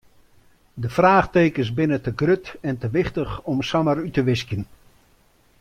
De fraachtekens binne te grut en te wichtich om samar út te wiskjen.